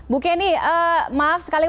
bukeni maaf sekali